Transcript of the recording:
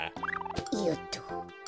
よっと。